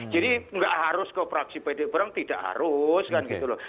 jadi enggak harus ke fraksi pdi perjuangan tidak harus kan gitu loh